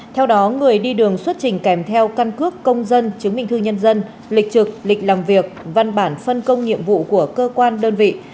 theo đó người đi đường xuất trình kèm theo căn cước công dân chứng minh thư nhân dân lịch trực lịch làm việc văn bản phân công nhiệm vụ của cơ quan đơn vị